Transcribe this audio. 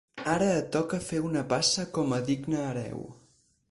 Ara et toca fer una passa com a digne hereu.